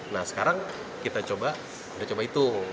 nah sekarang kita coba itu